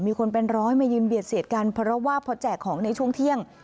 คนเป็นร้อยมายืนเบียดเสียดกันเพราะว่าพอแจกของในช่วงเที่ยง